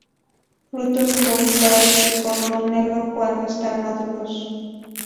Frutos globulares, de color negro, cuando están maduros.